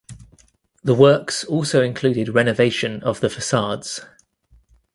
The works also included renovation of the facades.